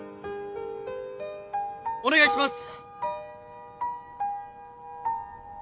お願いします。